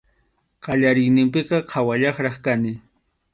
Qallariyninpiqa qhawallaqraq kani.